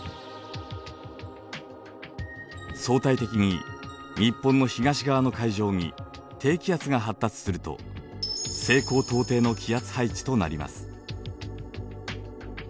相対的に日本の東側の海上に低気圧が発達すると西高東低の気圧配置となります。